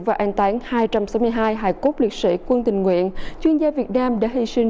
và an tán hai trăm sáu mươi hai hải cốt liệt sĩ quân tình nguyện chuyên gia việt nam đã hy sinh